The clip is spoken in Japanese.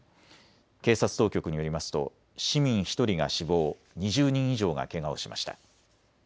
警察当局によりますと市民１人が死亡、２０人以上がけがをしました。